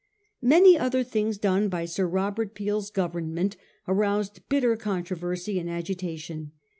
Many other things done by Sir Robert Peel's Government aroused bitter controversy and agitation.